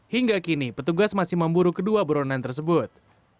hingga kini petugas masih memburu kedua beronan tersebut